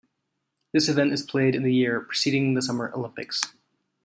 This event is played in the year preceding the Summer Olympics.